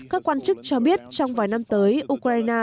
các quan chức cho biết trong vài năm tới ukraine